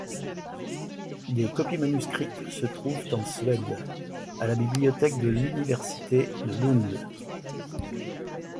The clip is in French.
Des copies manuscrites se trouvent en Suède, à la bibliothèque de l’Université de Lund.